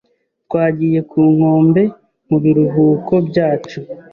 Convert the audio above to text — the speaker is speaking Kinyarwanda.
Twagiye ku nkombe mu biruhuko byacu.